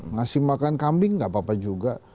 ngasih makan kambing gak apa apa juga